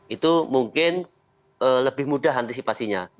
itu mungkin lebih mudah antisipasinya